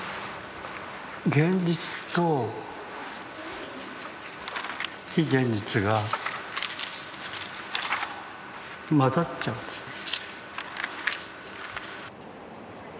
現実と非現実がまざっちゃうんですね。